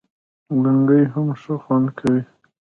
لنګۍ هم ښه خوند کوي